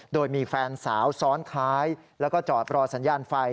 โดยมีแฟนสาวซ้อนท้ายแล้วก็จอดรอสัญญาณไฟ